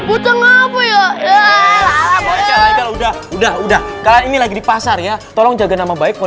udah udah udah udah kali ini lagi di pasar ya tolong jaga nama baik